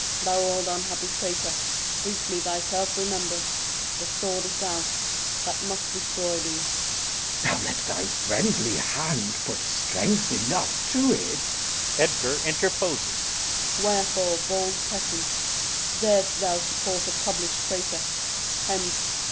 Thou old unhappy traitor, Briefly thyself remember. The sword is out That must destroy thee. Glou. Now let thy friendly hand Put strength enough to't. [Edgar interposes.] Osw. Wherefore, bold peasant, Dar'st thou support a publish'd traitor? Hence!